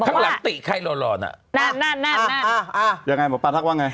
คลักหลังติไขร์รอน